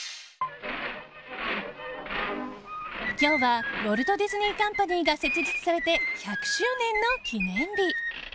今日はウォルト・ディズニー・カンパニーが設立されて１００周年の記念日。